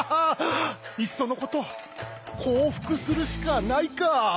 いっそのこと降伏するしかないか。